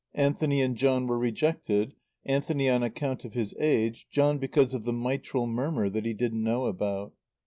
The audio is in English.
Anthony and John were rejected; Anthony on account of his age, John because of the mitral murmur that he didn't know about.